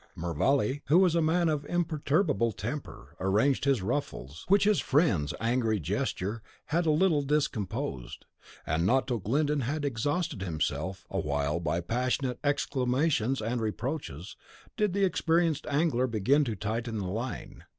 Mervale, who was a man of imperturbable temper, arranged his ruffles, which his friend's angry gesture had a little discomposed, and not till Glyndon had exhausted himself awhile by passionate exclamations and reproaches, did the experienced angler begin to tighten the line.